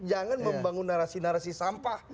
jangan membangun narasi narasi sampah